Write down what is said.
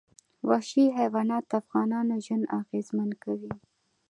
وحشي حیوانات د افغانانو ژوند اغېزمن کوي.